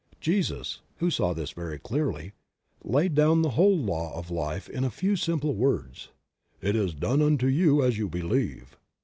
Jesus, who saw this very clearly, laid down the whole law of life in a few simple words: ''It is done unto you as you believe."